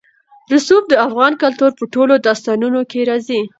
رسوب د افغان کلتور په ټولو داستانونو کې راځي.